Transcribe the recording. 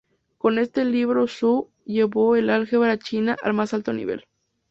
Con este libro Zhu llevó el álgebra china al más alto nivel.